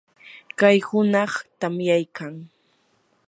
kay hunaq tamyaykan.